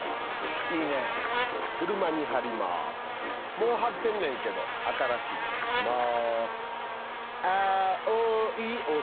もう貼ってんねんけど新しいのにします。